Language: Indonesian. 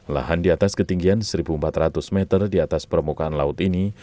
lahan di atas ketinggian satu empat ratus meter di atas permukaan laut ini